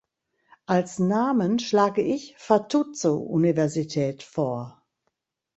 Als Namen schlage ich "Fatuzzo-Universität" vor.